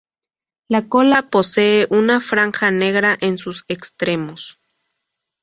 La cola posee una franja negra en sus extremos.